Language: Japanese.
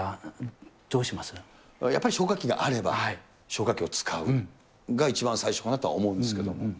やっぱり消火器があれば、消火器を使うが、一番最初かなとは思うんですけども。